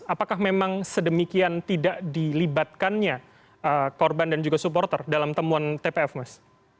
apakah memang sedemikian tidak dilibatkannya korban dan juga supporter dalam temuan tpf mas